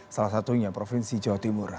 salah satunya provinsi jawa timur